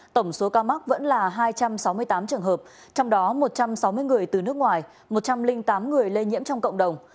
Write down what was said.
tổng số ca mắc vẫn là hai trăm sáu mươi tám trường hợp trong đó một trăm sáu mươi người từ nước ngoài một trăm linh tám người lây nhiễm trong cộng đồng